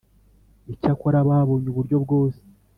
Icyakora babonye uburyo bwose